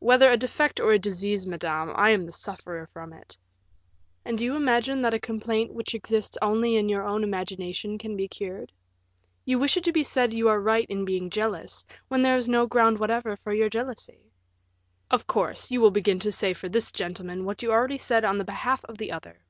"Whether a defect or a disease, madame, I am the sufferer from it." "And do you imagine that a complaint which exists only in your own imagination can be cured? You wish it to be said you are right in being jealous, when there is no ground whatever for your jealousy." "Of course, you will begin to say for this gentleman what you already said on the behalf of the other."